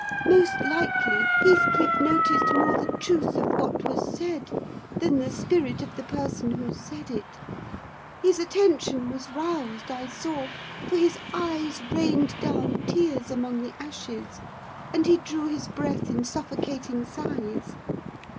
"Most likely, Heathcliff noticed more the truth of what was said, than the spirit of the person who said it. His attention was roused, I saw, for his eyes rained down tears among the ashes, and he drew his breath in suffocating sighs.